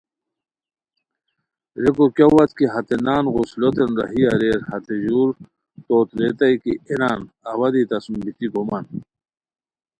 ریکو کیہ وت کی ہتے نان غلسلوتین راہی اریر ہتے ژور توت ریتائے کی اے نان اوا دی تہ سوم بیتی گومان